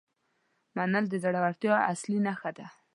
منل د زړورتیا اصلي نښه ده.